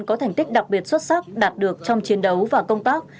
có thành tích đặc biệt xuất sắc đạt được trong chiến đấu và công tác